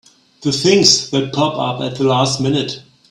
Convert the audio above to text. The things that pop up at the last minute!